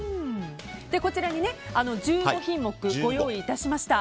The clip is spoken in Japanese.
こちらに１５品目ご用意いたしました。